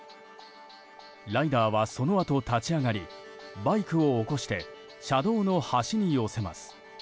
ライダーはそのあと立ち上がりバイクを起こして車道の端に寄せます。